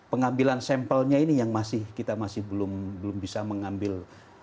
pengambilan sampelnya ini yang masih kita masih belum bisa mengambil